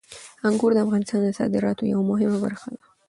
انګور د افغانستان د صادراتو یوه مهمه برخه ده.